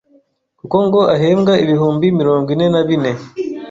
kuko ngo ahembwa ibihumbi mirongo ine na bine